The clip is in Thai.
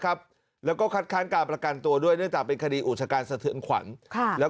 ก็เรียกร้องให้ตำรวจดำเนอคดีให้ถึงที่สุดนะ